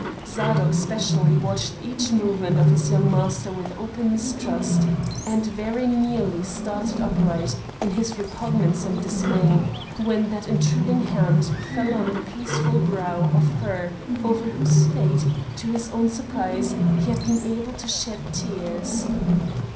Zadok specially watched each movement of his young master with open mistrust; and very nearly started upright, in his repugnance and dismay, when that intruding hand fell on the peaceful brow of her over whose fate, to his own surprise, he had been able to shed tears.